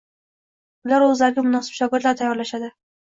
Ular o‘zlariga munosib shogirdlar tayyorlashadi.